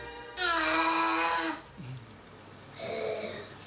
ああ。